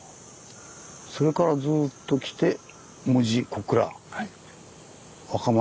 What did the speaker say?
それからずっときて門司小倉若松